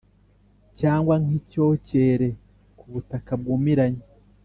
cyangwa nk’icyokere ku butaka bwumiranye.